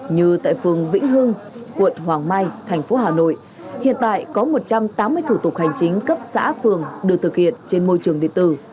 như tại phường vĩnh hưng quận hoàng mai thành phố hà nội hiện tại có một trăm tám mươi thủ tục hành chính cấp xã phường được thực hiện trên môi trường điện tử